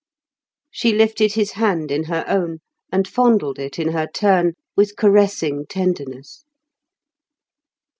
She lifted his hand in her own, and fondled it in her turn with caressing tenderness.